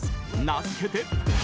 名付けて。